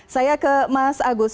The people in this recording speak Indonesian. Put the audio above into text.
saya ke mas agus